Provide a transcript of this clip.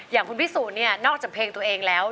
อย่างคุณพี่สูจนเนี่ยนอกจากเพลงตัวเองแล้ว